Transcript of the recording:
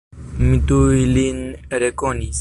Mi tuj lin rekonis.